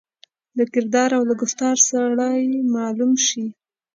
له کردار او له ګفتار سړای معلوم شي.